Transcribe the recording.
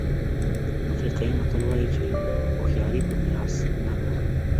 افریقایي متل وایي هوښیاري په میراث نه ده.